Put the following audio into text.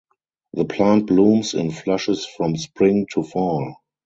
The plant blooms in flushes from spring to fall.